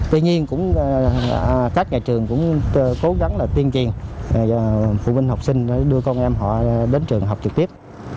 tuy nhiên các nhà trường cũng cố gắng tiên triền cho phụ huynh học sinh đưa con em họ đến trường học trực tiếp